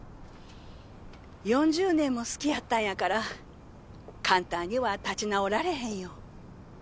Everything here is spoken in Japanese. ４０年も好きやったんやから簡単には立ち直られへんよ。